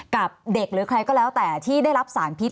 กับเด็กหรือใครก็แล้วแต่ที่ได้รับสารพิษ